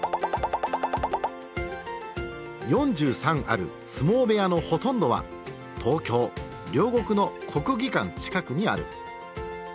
４３ある相撲部屋のほとんどは東京・両国の国技館近くにある。